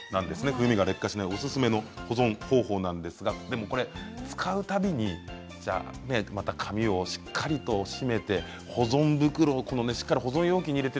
風味が劣化しないおすすめの保存方法なんですがでもこれ使うたびに紙をしっかりとしめてしっかり保存容器に入れて